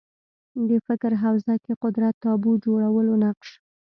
د فکر حوزه کې قدرت تابو جوړولو نقش